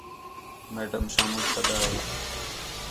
میڈم شامونک سݙا ہے